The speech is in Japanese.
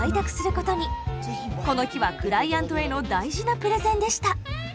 この日はクライアントへの大事なプレゼンでした。